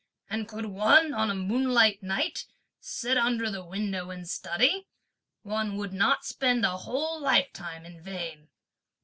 and could one, on a moonlight night, sit under the window and study, one would not spend a whole lifetime in vain!"